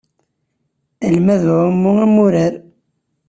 Almad n uɛumu am wurar.